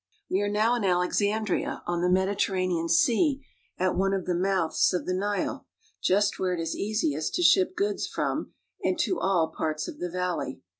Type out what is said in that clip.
We are now in Alexandria, on the Mediterranean Sea at one of the mouths of the Nile, just where it is easiest to ship goods from and to all parts of the valley.